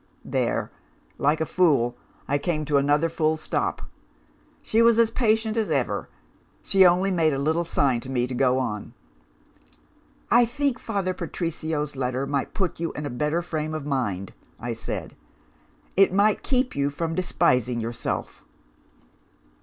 "There, like a fool, I came to another full stop. She was as patient as ever; she only made a little sign to me to go on. "'I think Father Patrizio's letter might put you in a better frame of mind,' I said; 'it might keep you from despising yourself.